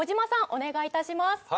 お願いいたします。